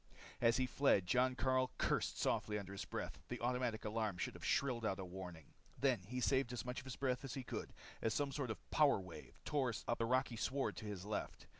As he fled, Jon Karyl cursed softly under his breath. The automatic alarm should have shrilled out a warning. Then he saved as much of his breath as he could as some sort of power wave tore up the rocky sward to his left.